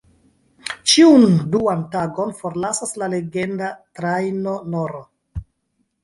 Ĉiun duan tagon forlasas la legenda "Trajno N-ro.